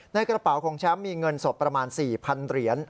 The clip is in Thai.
ในกระเป๋าของแชมป์มีเงินสดประมาณ๔๐๐๐เหรียญ